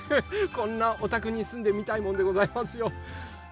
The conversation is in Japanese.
こんなおたくにすんでみたいもんでございますよ。